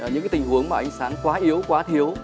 những tình huống mà ánh sáng quá yếu quá thiếu